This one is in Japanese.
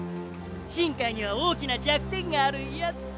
新開には大きな弱点があるんやって。